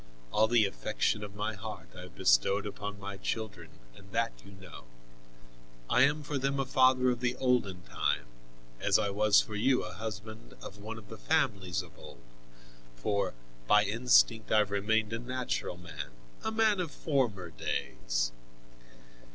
All the affection of my heart I have bestowed upon my children, and that you know. I am for them a father of the olden time, as I was for you a husband of one of the families of old, for by instinct I have remained a natural man, a man of former days.